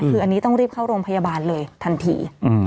คืออันนี้ต้องรีบเข้าโรงพยาบาลเลยทันที